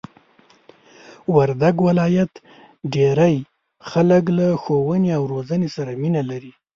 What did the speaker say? وردګ ولایت ډېرئ خلک له ښوونې او روزنې سره مینه لري!